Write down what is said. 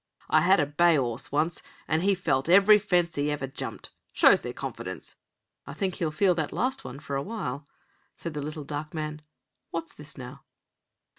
"I had a bay 'orse once, and he felt every fence he ever jumped; shows their confidence." "I think he'll feel that last one for a while," said the little dark man. "What's this now?"